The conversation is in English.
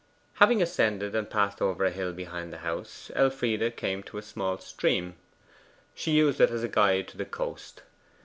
Having ascended and passed over a hill behind the house, Elfride came to a small stream. She used it as a guide to the coast.